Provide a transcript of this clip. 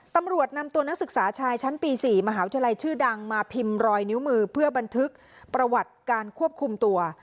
ตำรวจนำตัวนักศึกษาชายชั้นปี๔มหาวิทยาลัยชื่อดังมาพิมพ์รอยนิ้วมือเพื่อบันทึกประวัติการควบคุมตัว